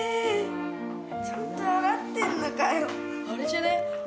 あれじゃね？